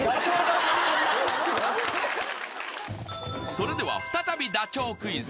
［それでは再びダチョウクイズ］